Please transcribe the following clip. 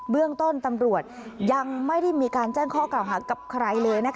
เรื่องต้นตำรวจยังไม่ได้มีการแจ้งข้อกล่าวหากับใครเลย